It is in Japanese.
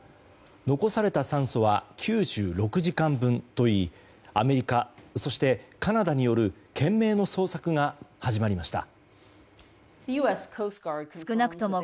残された酸素は９６時間分といいアメリカ、そしてカナダによる懸命な捜索が始まりました。